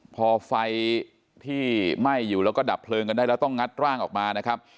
พอไฟที่ไหม้อยู่แล้วก็ดับเพลิงกันได้แล้วต้องงัดร่างออกมานะครับ